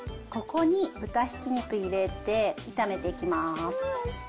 ここに豚ひき肉入れて、炒めていきます。